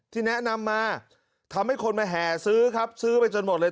แนะนำมาทำให้คนมาแห่ซื้อครับซื้อไปจนหมดเลย